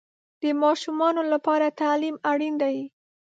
د ماشومانو لپاره تعلیم اړین دی.